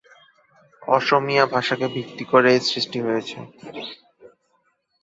অসমীয়া ভাষাকে ভিত্তি করে এর সৃষ্টি হয়েছে।